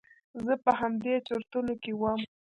زه په همدې چرتونو کې وم.